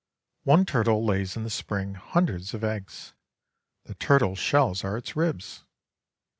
One turtle lays in the spring hundreds of eggs. The turtle's shells are its ribs.